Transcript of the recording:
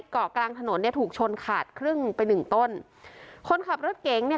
เกาะกลางถนนเนี่ยถูกชนขาดครึ่งไปหนึ่งต้นคนขับรถเก๋งเนี่ย